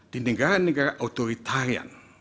di negara negara otoritarian